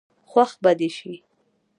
خوښ به دي شي.